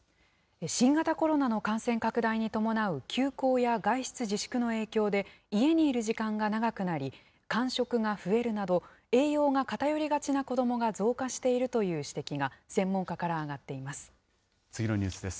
新型コロナの感染拡大に伴う休校や外出自粛の影響で、家にいる時間が長くなり、間食が増えるなど、栄養が偏りがちな子どもが増加しているという指摘が、専門家から上がっています。